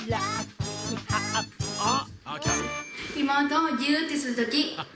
妹をギューッてするとき。